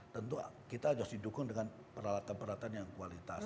tentu kita harus didukung dengan peralatan peralatan yang kualitas